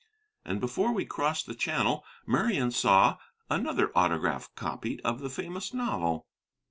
And before we crossed the Channel, Marian saw another autograph copy of the famous novel.